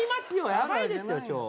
やばいですよ今日は。